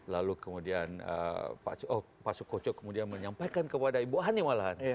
lalu kemudian pak sukoco kemudian menyampaikan kepada ibu hani malahan